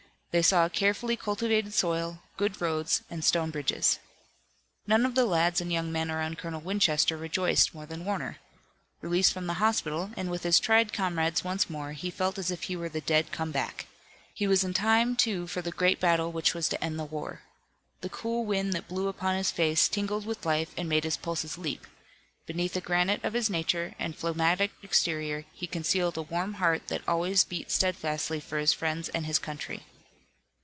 They saw a carefully cultivated soil, good roads and stone bridges. None of the lads and young men around Colonel Winchester rejoiced more than Warner. Released from the hospital and with his tried comrades once more he felt as if he were the dead come back. He was in time, too, for the great battle which was to end the war. The cool wind that blew upon his face tingled with life and made his pulses leap. Beneath the granite of his nature and a phlegmatic exterior, he concealed a warm heart that always beat steadfastly for his friends and his country.